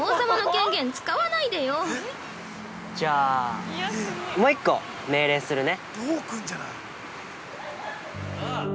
◆じゃあ、もう一個命令するね。